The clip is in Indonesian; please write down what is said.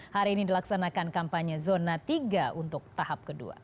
hari ini dilaksanakan kampanye zona tiga untuk tahap kedua